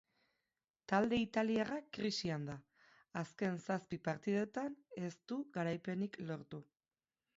Talde italiarra krisian da, azken zazpi partidetan ez du garaipenik lortu.